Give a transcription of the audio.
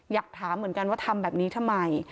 อยากถามเหมือนกันว่าทำแบบนี้ทำไม